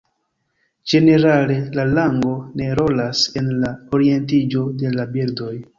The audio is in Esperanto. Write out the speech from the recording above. Ĝenerale, la lango ne rolas en la orientiĝo de la birdoj.